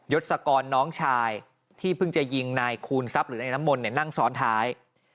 ศกรน้องชายที่เพิ่งจะยิงนายคูณทรัพย์หรือนายน้ำมนต์นั่งซ้อนท้าย